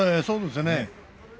そうですね。